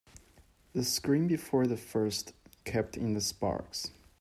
The screen before the fire kept in the sparks.